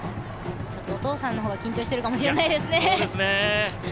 お父さんの方が緊張してるかもしれないですね。